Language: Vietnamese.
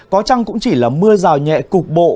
có chăng cũng chỉ là mưa rào nhẹ cục bộ